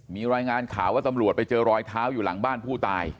มีรายงานข่าวว่าตำรวจไปเจอรอยเท้าอยู่หลังบ้านผู้ตาย